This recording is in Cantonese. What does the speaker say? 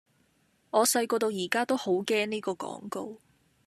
我細個到而家都好驚呢個廣告